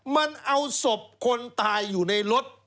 มันเอาศพคนตายอยู่ในรถ